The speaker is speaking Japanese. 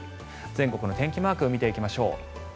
全国の天気マークを見ていきましょう。